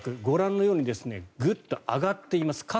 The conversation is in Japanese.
ご覧のようにグッと上がっています。